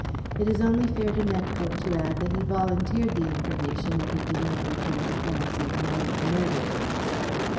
It is only fair to Nepcote to add that he volunteered the information that he did not return to France on the night of the murder."